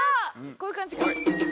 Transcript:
こういう感じか。